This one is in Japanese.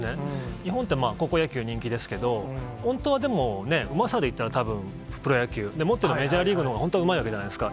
日本って高校野球、人気ですけど、本当はでも、うまさで言ったら、たぶんプロ野球、もっと言えば、メジャーリーグのほうがうまいわけじゃないですか。